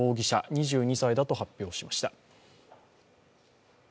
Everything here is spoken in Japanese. ２２歳だと発表しました。